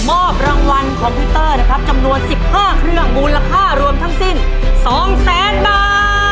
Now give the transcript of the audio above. มอบรางวัลคอมพิวเตอร์นะครับจำนวน๑๕เครื่องมูลค่ารวมทั้งสิ้น๒แสนบาท